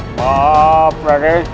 malah menimpa uak pemudakanku